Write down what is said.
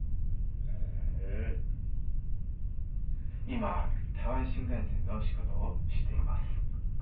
今台湾新幹線の仕事をしています。